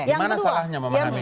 di mana salahnya memahami